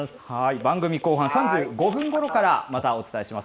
番組後半、３５分ごろから、またお伝えします。